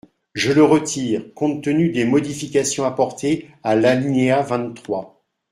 Je le retire, compte tenu des modifications apportées à l’alinéa vingt-trois.